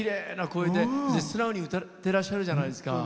素直に歌ってらっしゃったじゃないですか。